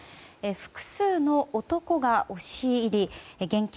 複数の男が押し入り現金